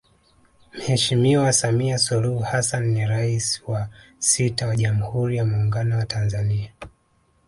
Mheshimiwa Samia Suluhu Hassan ni Rais wa sita wa Jamhuri ya Muungano wa Tanzania